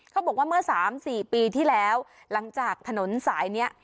เขาบอกว่าเมื่อ๓๔ปีที่แล้วหลังจากถนนสายนี้